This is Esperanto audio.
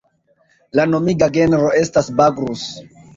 La nomiga genro estas "Bagrus".